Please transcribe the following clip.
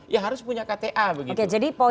ya harus punya kta begitu jadi